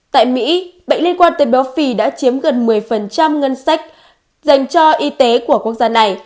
tại mỹ bệnh liên quan tới béo phì đã chiếm gần một mươi ngân sách dành cho y tế của quốc gia này